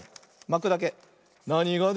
まくだけ。